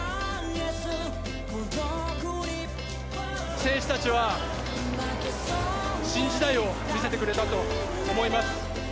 選手たちは、新時代を見せてくれたと思います。